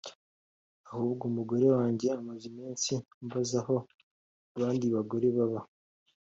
ahubwo umugore wanjye amaze iminsi ambaza aho abandi bagore baba